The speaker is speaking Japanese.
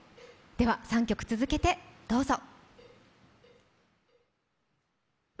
では、３曲続けてどうぞ。